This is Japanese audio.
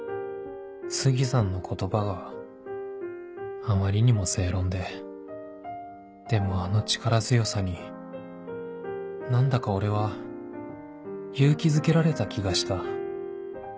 杉さんの言葉があまりにも正論ででもあの力強さに何だか俺は勇気づけられた気がした